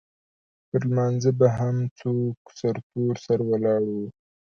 پر لمانځه به هم څوک سرتور سر ولاړ وو.